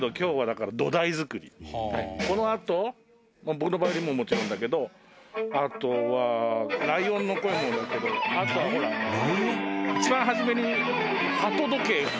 僕のヴァイオリンももちろんだけどあとはライオンの声もだけどあとはほら一番初めに鳩時計。